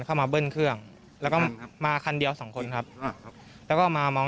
เข้ามาเบิ้ลเครื่องแล้วก็มาคันเดียวสองคนครับอ่าครับแล้วก็มามอง